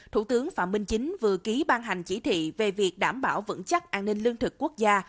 thủ tướng phạm minh chính vừa ký ban hành chỉ thị về việc đảm bảo vững chắc an ninh lương thực quốc gia